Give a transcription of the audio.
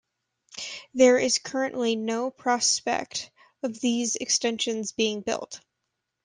There is currently no prospect of these extensions being built.